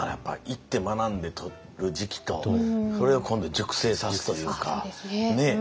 行って学んでとる時期とそれを今度熟成さすというか。